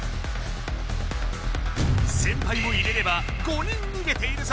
先輩も入れれば５人逃げているぞ！